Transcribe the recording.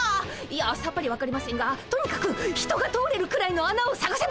いやさっぱりわかりませんがとにかく人が通れるくらいのあなをさがせばいいんですね。